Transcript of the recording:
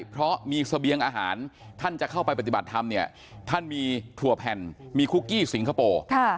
เพราะมีเสบียงอาหารท่านจะเข้าไปปฏิบัติธรรมเนี่ยท่านมีถั่วแผ่นมีคุกกี้สิงคโปร์